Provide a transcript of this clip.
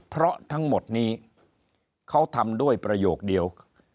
เพราะทั้งหมดนี้เขาทำด้วยประโยคเดียว